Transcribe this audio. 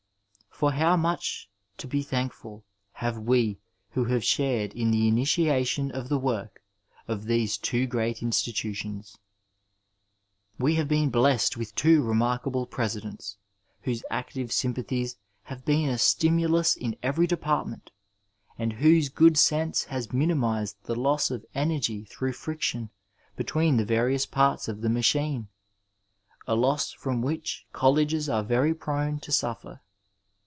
For how much to be thankful have we who have shared in the initiation of the work of these two great institutions. We have been blessed with two remarkable Presidents, whose active sympathies have been a stimulus in every depart ment, and whose good sense has minimized the loss of energy through friction between the various parts of the machine — a loss from which colleges are very prone to suffer.